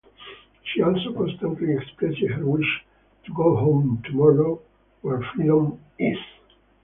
She also constantly expressed her wish to go home tomorrow, where "freedom" is.